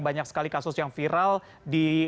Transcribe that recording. banyak sekali kasus yang viral di